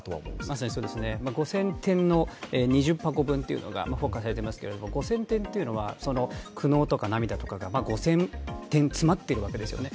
まさにそうですね、５０００件、２０箱分出されましたが５０００点というのは苦悩とか涙とかが５０００点、詰まってるわけですよね。